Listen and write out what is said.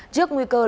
trước nguy cơ lệnh